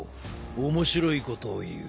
面白いことを言う。